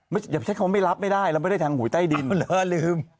ไม่อย่าเช็คคำไม่รับไม่ได้เราไม่ได้ทางหวยใต้ดินอ้าวเหรอลืม